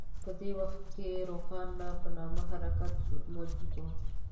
په دې وخت کې روښان په نامه حرکت موجود و.